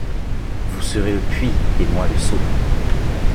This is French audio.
Vous serez le puits et moi le seau...